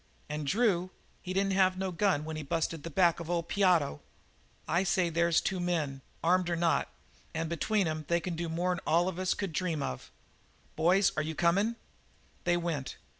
And Drew? He didn't have no gun when he busted the back of old Piotto. I say, there's two men, armed or not, and between 'em they can do more'n all of us could dream of. Boys, are you comin'?" They went.